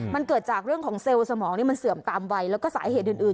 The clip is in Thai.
มันเกิดจากเรื่องของเซลล์สมองนี่มันเสื่อมตามวัยแล้วก็สาเหตุอื่น